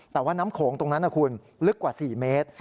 แต่ว่าน้ำโขงตรงนั้นนะคุณลึกกว่า๔เมตร